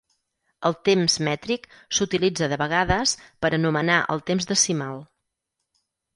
El temps mètric s'utilitza de vegades per anomenar el temps decimal.